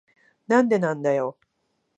なんでなんだよ。